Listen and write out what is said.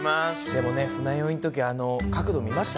でもね、船酔いのとき、角度見ました？